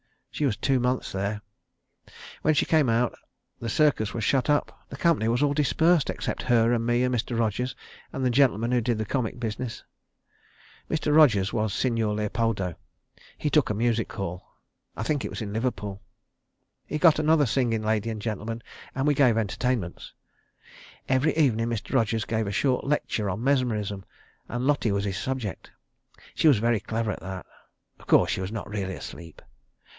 She was two months there. When she came out the circus was shut up. The company was all dispersed except her and me and Mr. Rogers, and the gentleman who did the comic business. Mr. Rogers was Signor Leopoldo. He took a music hall. I think it was in Liverpool. He got another singing lady and gentleman, and we gave entertainments. Every evening Mr. Rogers gave a short lecture on mesmerism, and Lotty was his subject. She was very clever at that. Of course she was not really asleep.